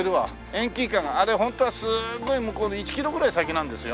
遠近感があれホントはすごい向こうの１キロぐらい先なんですよ。